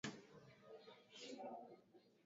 Ngombe pekee hushambuliwa